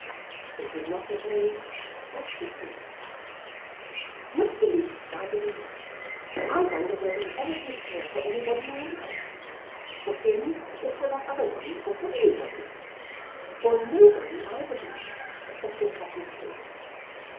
"It would not have made much difference." "Not the least, I believe. I wonder whether you ever did care for anybody in your life, for him, or for that other one, or for anybody. For nobody, I believe; except your cousin Kate.